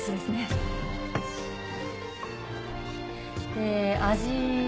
で味。